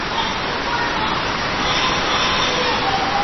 Es enviado a Scapa Flow.